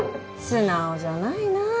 素直じゃないなあ。